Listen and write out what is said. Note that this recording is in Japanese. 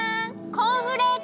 コーンフレーク！